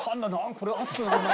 「これ暑くなるの？